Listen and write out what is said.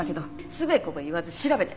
つべこべ言わず調べて！